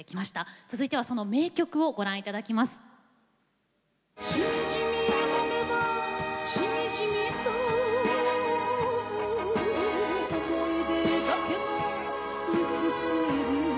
続いては、その名曲をご覧いただきましょう。